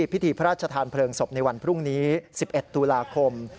พิธีพระราชทานเพลิงศพในวันพรุ่งนี้๑๑ตุลาคม